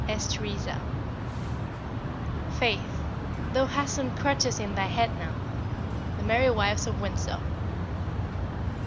S. TERESA. "Faith, thou hast some crotchets in thy head now." _The Merry Wives of Windsor.